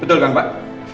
betul kan pak